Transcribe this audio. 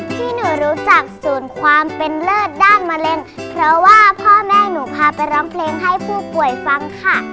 ที่หนูรู้จักศูนย์ความเป็นเลิศด้านมะเร็งเพราะว่าพ่อแม่หนูพาไปร้องเพลงให้ผู้ป่วยฟังค่ะ